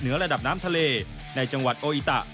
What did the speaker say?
ระดับน้ำทะเลในจังหวัดโออิตะ